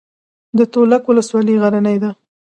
د تولک ولسوالۍ غرنۍ ده